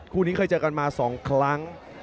คู่นี้เคยเจอกันมา๒ครั้ง